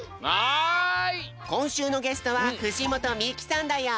こんしゅうのゲストは藤本美貴さんだよ。